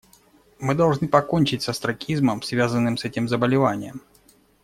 Мы должны покончить с остракизмом, связанным с этим заболеванием.